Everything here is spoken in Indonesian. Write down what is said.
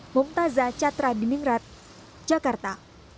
bumtaza catra di mingrat jakarta